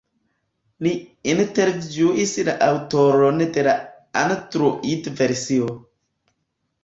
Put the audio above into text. Ni intervjuis la aŭtoron de la Android-versio.